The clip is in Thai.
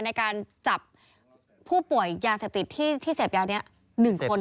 ในการจับผู้ป่วยยาเสพติดที่เสพยานี้๑คน